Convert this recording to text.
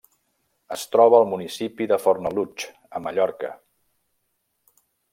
Es troba al municipi de Fornalutx, a Mallorca.